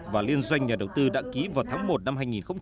và liên doanh nhà đầu tư đạng ký vào tháng một năm hai nghìn một mươi bảy